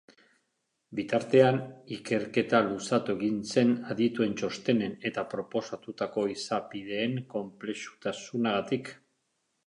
Bitartean, ikerketa luzatu egin zen adituen txostenen eta proposatutako izapideen konplexutasunagatik.